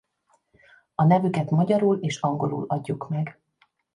A nevüket magyarul és angolul adjuk meg.